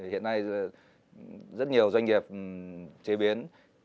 hiện nay rất nhiều doanh nghiệp chế biến